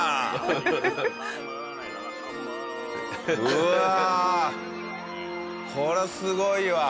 うわこりゃすごいわ。